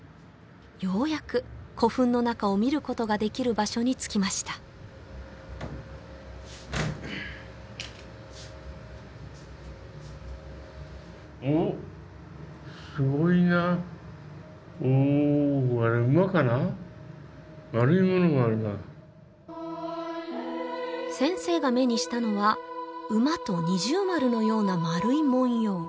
ようやく古墳の中を見ることができる場所に着きましたおっすごいなおお先生が目にしたのは馬と二重丸のような丸い文様